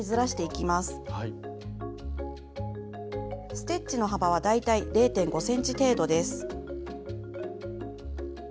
ステッチの幅は大体０．５ｃｍ程度です。